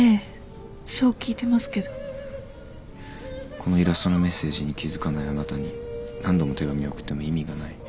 このイラストのメッセージに気付かないあなたに何度も手紙を送っても意味がない。